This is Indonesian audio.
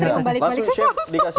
masuk chef dikasih